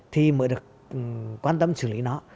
thì mới được quan tâm xử lý nó